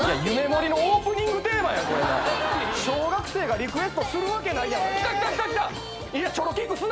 『夢ＭＯＲＩ』のオープニングテーマ小学生がリクエストするわけないやん。